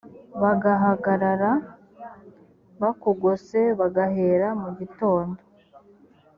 bagahagarara bakugose bagahera mu gitondo